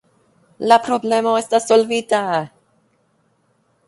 La problemo estas solvita!